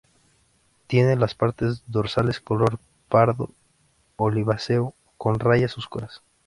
Tiene las partes dorsales color pardo oliváceo, con rayas oscuras.